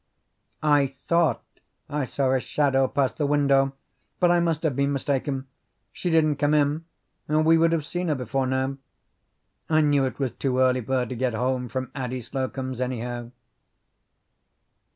"I thought I saw a shadow pass the window, but I must have been mistaken. She didn't come in, or we would have seen her before now. I knew it was too early for her to get home from Addie Slocum's, anyhow."